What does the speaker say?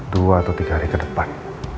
dua atau tiga hari ke depan